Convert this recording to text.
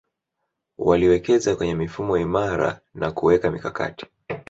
Waliwekeza kwenye mifumo imara na kuweka mikakati